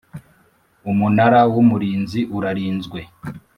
Umunara w’ Umurinzi urarinzwe.